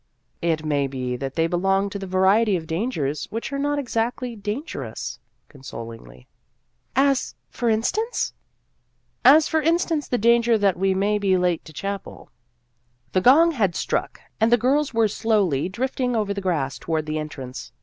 " It may be that they belong to the variety of ' dangers ' which are not exactly dangerous," consolingly. " As, for instance ?"" As, for instance, the danger that we may be late to chapel." The gong had struck, and the girls were slowly drifting over the grass toward the entrance.